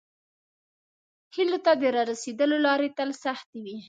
هیلو ته د راسیدلو لارې تل سختې وي.